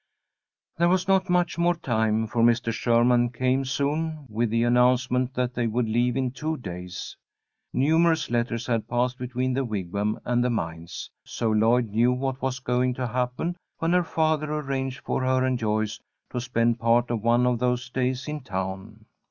There was not much more time, for Mr. Sherman came soon, with the announcement that they would leave in two days. Numerous letters had passed between the Wigwam and the mines, so Lloyd knew what was going to happen when her father arranged for her and Joyce to spend part of one of those days in town.